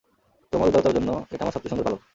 তোমার উদারতার জন্য, এটা আমার সবচেয়ে সুন্দর পালক।